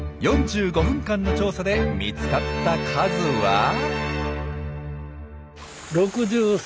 ４５分間の調査で見つかった数は？